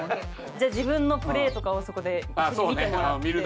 じゃあ自分のプレーとかをそこで一緒に見てもらって。